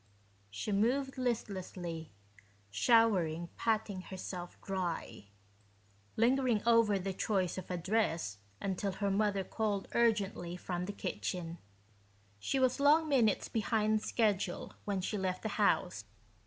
She moved listlessly, showering patting herself dry, lingering over the choice of a dress until her mother called urgently from the kitchen. She was long minutes behind schedule when she left the house.